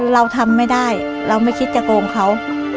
เราทำไม่ได้เราไม่คิดจะโกงเขา